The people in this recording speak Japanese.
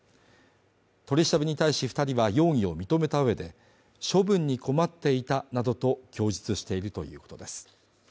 取り調べに対し２人は容疑を認めた上で処分に困っていたなどと供述しているということです。